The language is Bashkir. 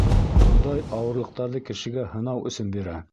Хоҙай ауырлыҡтарҙы кешегә һынау өсөн бирә.